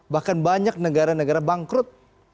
bahkan banyak negara negara bangkrut